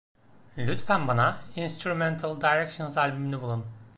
Lütfen bana Instrumental Directions albümünü bulun.